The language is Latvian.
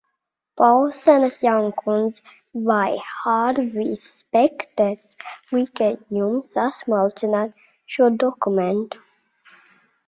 Paulsenas jaunkundz, vai Hārvijs Spekters lika jums sasmalcināt šo dokumentu?